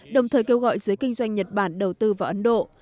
đồng thời kêu gọi giới kinh doanh nhật bản đầu tư vào ấn độ